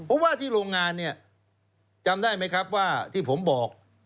เพราะว่าที่โรงงานเนี่ยจำได้ไหมครับว่าที่ผมบอก